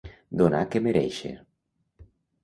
Donar que merèixer.